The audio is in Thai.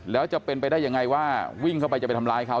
แล้วจะเป็นไปได้ยังไงว่าวิ่งเข้าไปจะไปทำร้ายเขา